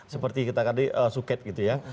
seperti kita tadi suket gitu ya